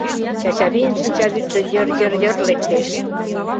— Чачавийын шинчавӱдшӧ йыр-йыр-йыр лектеш.